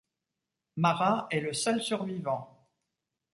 Marat est le seul survivant.